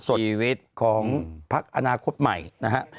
ชีวิตของพักอนาคตใหม่นะฮะ